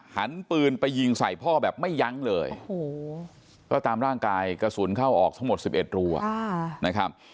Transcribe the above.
หันปืนไปยิงใส่พ่อแบบไม่ยั้งเลยก็ตามร่างกายกระสุนเข้าออกทั้งหมด๑๑รูนะครับ